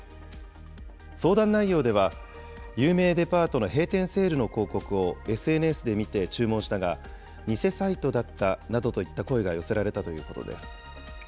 相談内容では、有名デパートの閉店セールの広告をＳＮＳで見て注文したが、偽サイトだったなどといった声が寄せられたということです。